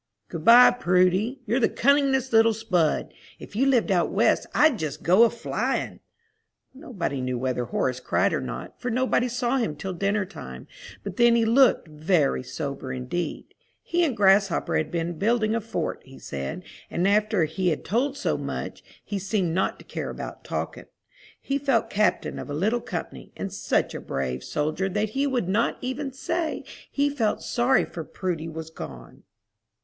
"Good by, Prudy. You're the cunningest little spud! If you lived out West I'd just go a flyin'." Nobody knew whether Horace cried or not, for nobody saw him till dinner time, but then he looked very sober indeed. He and Grasshopper had been building a fort, he said; and after he had told so much, he seemed not to care about talking. He felt captain of a little company, and such a brave soldier that he would not even say he felt sorry Prudy was gone.